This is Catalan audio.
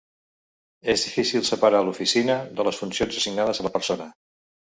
És difícil separar l'oficina de les funcions assignades a la persona.